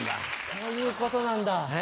そういうことなんだ。